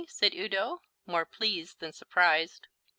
said Udo, more pleased than surprised.